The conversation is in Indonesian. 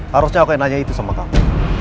harusnya aku yang nanya itu sama kamu